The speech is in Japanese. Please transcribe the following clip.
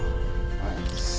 はい。